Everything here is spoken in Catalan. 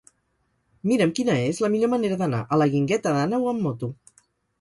Mira'm quina és la millor manera d'anar a la Guingueta d'Àneu amb moto.